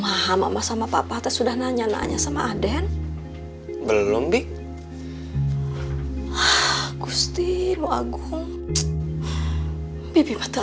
iya saya rencananya akan kerjakan malam ini pak